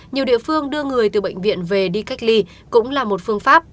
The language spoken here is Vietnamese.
nhiều địa phương đưa người từ bệnh viện về đi cách ly cũng là một phương pháp